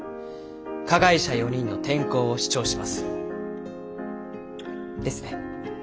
加害者４人の転校を主張します。ですね？